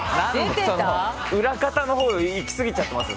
裏方のほうがいきすぎちゃってます。